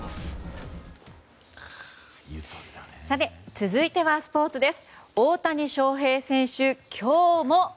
続いては、スポーツです。